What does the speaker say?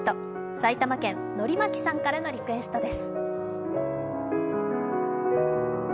埼玉県、のりまきさんからのリクエストです。